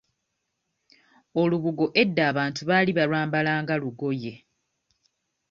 Olubugo edda abantu baali balwambala nga olugoye.